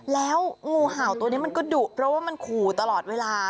แล้วงูเห่าตัวนี้มันก็ดุเพราะว่ามันขู่ตลอดเวลา